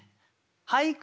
俳句